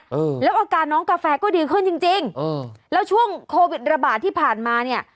เออแล้วอาการน้องกาแฟก็ดีขึ้นจริงจริงเออแล้วช่วงโควิดระบาดที่ผ่านมาเนี้ย